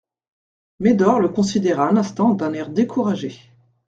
Médor le considéra un instant d'un air découragé.